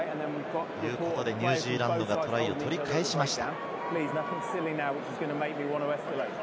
ニュージーランドがトライを取り返しました。